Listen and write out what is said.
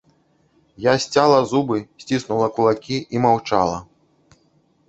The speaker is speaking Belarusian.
Я сцяла зубы, сціснула кулакі і маўчала.